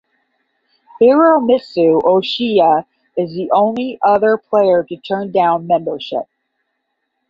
Hiromitsu Ochiai is the only other player to turn down membership.